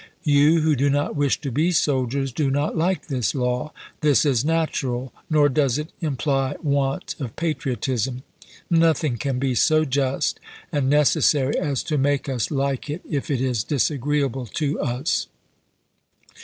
You who do not wish to be soldiers do not like this law. This is natural ; nor does it im ply want of patriotism. Nothing can be so just and necessary as to make us like it if it is disagree able to us.